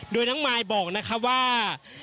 โดยน้องมายบอกนะคะว่า